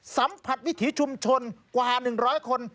สัมผัสวิถีชุมชนกว่า๑๐๐คน